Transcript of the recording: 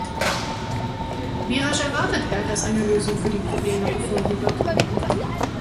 Wie rasch erwartet er, dass eine Lösung für die Probleme gefunden wird?